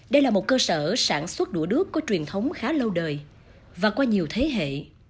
đây là một cơ sở sản xuất đũa đước có truyền thống khá lâu đời và qua nhiều thế hệ